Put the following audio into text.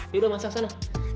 yaudah masak sana